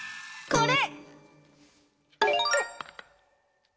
これ！